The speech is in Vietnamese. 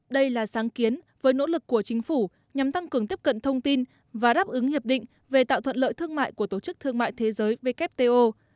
đây là sáng kiến với nỗ lực của chính phủ nhằm tăng cường tiếp cận thông tin và đáp ứng hiệp định về tạo thuận lợi thương mại của tổ chức thương mại thế giới wto